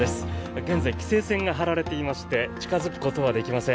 現在、規制線が張られていまして近付くことはできません。